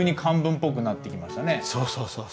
そうそうそうそう。